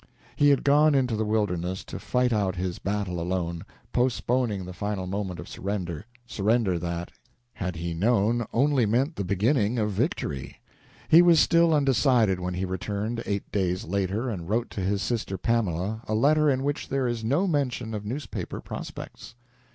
He had gone into the wilderness to fight out his battle alone, postponing the final moment of surrender surrender that, had he known, only meant the beginning of victory. He was still undecided when he returned eight days later and wrote to his sister Pamela a letter in which there is no mention of newspaper prospects.